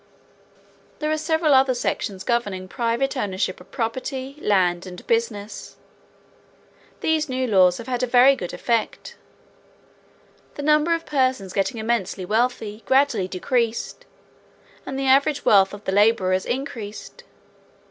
There are several other sections governing private ownership of property, land and business. These new laws have had a very good effect. The number of persons getting immensely wealthy gradually decreased, and the average wealth of the laborers increased.